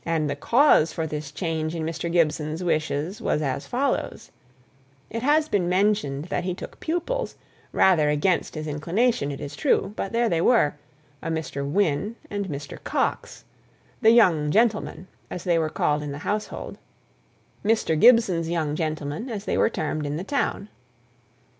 The cause for the change in Mr. Gibson's wishes just referred to was as follows: It has been mentioned that he took pupils, rather against his inclination, it is true; but there they were, a Mr. Wynne and Mr. Coxe, "the young gentlemen," as they were called in the household; "Mr. Gibson's young gentlemen," as they were termed in the town.